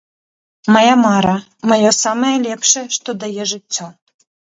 Мая мара, маё самае лепшае, што дае жыццё.